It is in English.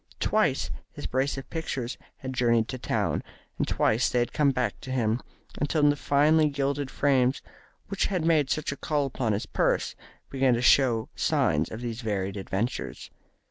Twice his brace of pictures had journeyed to town, and twice they had come back to him, until the finely gilded frames which had made such a call upon his purse began to show signs of these varied adventures.